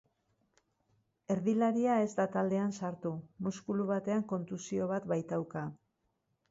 Erdilaria ez da taldean sartu, muskulu batean kontusio bat baitauka.